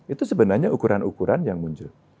itu sebenarnya ukuran ukuran yang muncul